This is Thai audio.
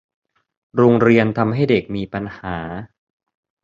โรงเรียนทำให้เด็กมีปัญหา